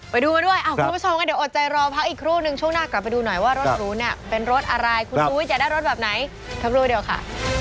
ไปดูมาด้วยคุณผู้ชมก็เดี๋ยวอดใจรอพักอีกครู่นึงช่วงหน้ากลับไปดูหน่อยว่ารถหรูเนี่ยเป็นรถอะไรคุณนุ้ยจะได้รถแบบไหนสักครู่เดียวค่ะ